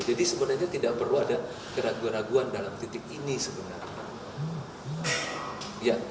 jadi sebenarnya tidak perlu ada keraguan keraguan dalam titik ini sebenarnya